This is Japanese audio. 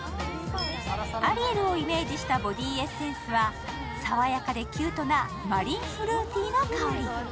アリエルをイメージしたボディエッセンスは爽やかでキュートなマリンフルーティーな香り。